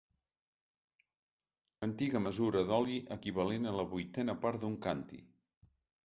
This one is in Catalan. Antiga mesura d'oli equivalent a la vuitena part d'un càntir.